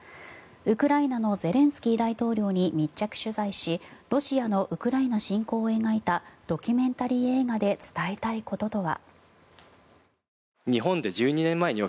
ウクライナのゼレンスキー大統領に密着取材しロシアのウクライナ侵攻を描いたドキュメンタリー映画で伝えたいこととは。